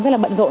rất là bận rộn